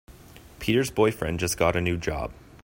Peter's boyfriend just got a new job.